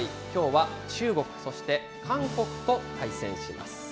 きょうは中国、そして韓国と対戦します。